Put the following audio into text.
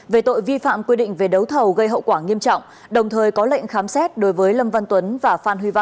về tội vi phạm quy định về đấu thầu gây hậu quả nghiêm trọng đồng thời có lệnh khám xét đối với lâm văn tuấn và phan huy văn